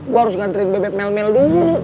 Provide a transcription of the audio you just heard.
gue harus ngantriin bebek mel mel dulu